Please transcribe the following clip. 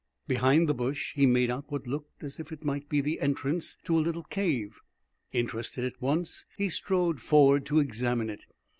Behind the bush he made out what looked as if it might be the entrance to a little cave. Interested at once, he strode forward to examine it.